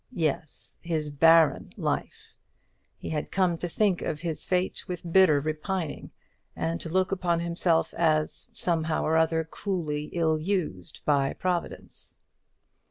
Yes, his barren life. He had come to think of his fate with bitter repining, and to look upon himself as, somehow or other, cruelly ill used by Providence.